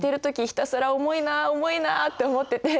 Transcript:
ひたすら重いな重いなって思ってて。